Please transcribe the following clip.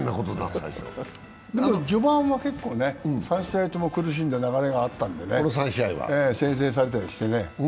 序盤は結構、３試合とも苦しんで、流れがあったので、先制されたりしてね。